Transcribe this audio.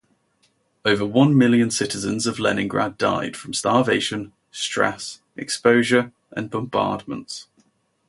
Over one million citizens of Leningrad died from starvation, stress, exposure and bombardments.